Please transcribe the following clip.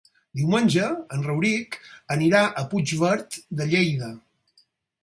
Diumenge en Rauric anirà a Puigverd de Lleida.